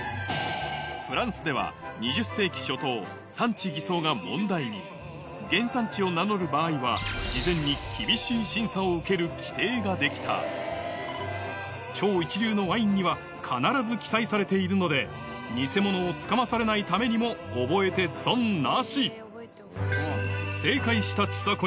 フランスでは２０世紀初頭原産地を名乗る場合は事前に厳しい審査を受ける規定が出来た超一流のワインには必ず記載されているので偽物をつかまされないためにも覚えて損なしステキ！